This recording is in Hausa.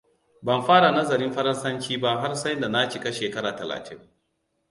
Ban fara nazarin Faransanci ba har sai da na cika shekara talatin.